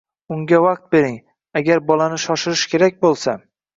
Unga vaqt bering, agar bolani shoshirish kerak bo‘lsa